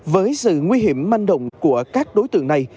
với sự nguy hiểm manh động của các đối tượng này